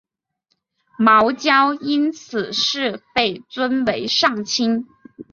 茅焦因此事被尊为上卿。